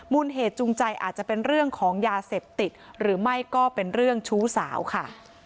เหตุจูงใจอาจจะเป็นเรื่องของยาเสพติดหรือไม่ก็เป็นเรื่องชู้สาวค่ะ